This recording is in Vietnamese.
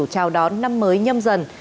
chào đón năm mới nhâm dần